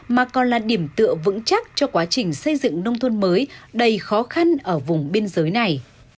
mà còn là điểm tựa vững chắc cho quá trình xây dựng nông thôn mới đầy khó khăn ở vùng biên giới này